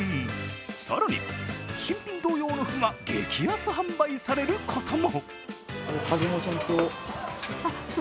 更に、新品同様の服が激安販売されることも。